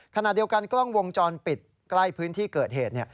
ขณะเดียวกันกล้องวงจรปิดใกล้พื้นที่เกิดเหตุ